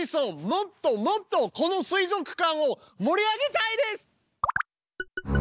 もっともっとこの水族館を盛り上げたいです！